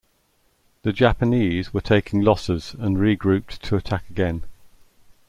The Japanese were taking losses and regrouped to attack again.